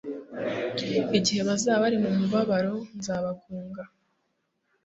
igihe bazaba bari mu mubabaro, nzabagunga